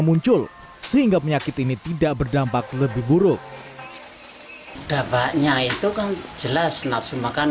muncul sehingga penyakit ini tidak berdampak lebih buruk dampaknya itu kan jelas nafsu makan